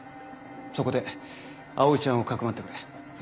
そこで葵ちゃんをかくまってくれ。